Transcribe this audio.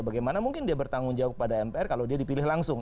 bagaimana mungkin dia bertanggung jawab pada mpr kalau dia dipilih langsung